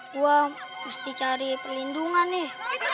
ga pasti cari perlindungan nih